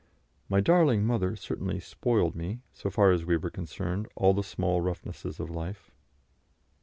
My darling mother certainly "spoiled" me, so far as were concerned all the small roughnesses of life.